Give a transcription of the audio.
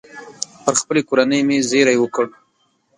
پر خپلې کورنۍ مې زېری وکړ.